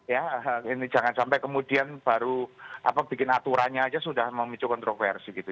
ya ini jangan sampai kemudian baru bikin aturannya aja sudah memicu kontroversi gitu